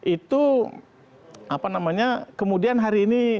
itu apa namanya kemudian hari ini